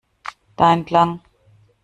Da entlang!